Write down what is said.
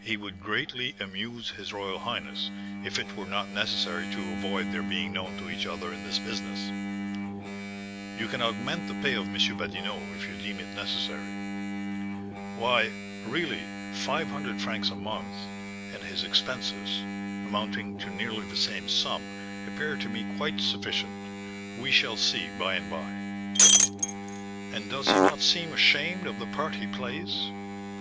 He would greatly amuse his royal highness, if it were not necessary to avoid their being known to each other in this business." "You can augment the pay of M. Badinot if you deem it necessary." "Why, really, five hundred francs a month, and his expenses, amounting to nearly the same sum, appear to me quite sufficient; we shall see by and by." "And does he not seem ashamed of the part he plays?"